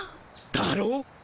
だろ？